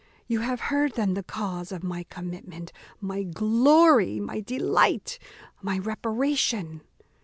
You have heard then the cause of my commitment, my glory, my delight, my reparation!